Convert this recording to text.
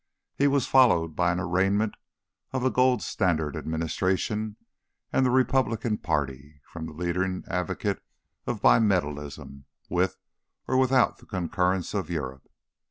He was followed by an arraignment of the "gold standard Administration" and the Republican Party, from the leading advocate of bimetallism with or without the concurrence of Europe.